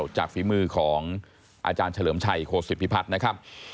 ฝีมือของอาจารย์เฉลิมชัยโคศิพิพัฒน์นะครับ